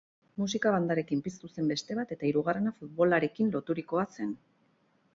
Musika-bandarekin piztu zen beste bat, eta hirugarrena futbolarekin loturikoa zen.